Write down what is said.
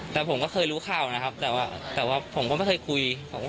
แต่ผมก็เคยรู้ข่าวนะครับแต่ว่าผมก็ไม่เคยคุย